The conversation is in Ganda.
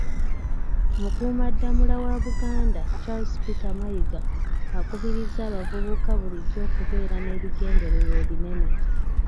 Mukuumaddamula wa Buganda, Charles Peter Mayiga, akubirizza abavubuka bulijjo okubeera n'ebigendererwa ebinene.